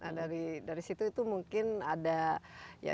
nah dari dari situ itu mungkin ada ya